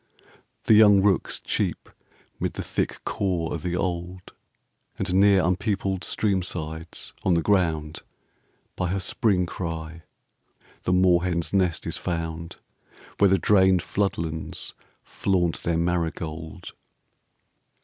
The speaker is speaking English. The young rooks cheep 'mid the thick caw o' the old: And near unpeopled stream sides, on the ground, By her Spring cry the moorhen's nest is found, Where the drained flood lands flaunt their marigold.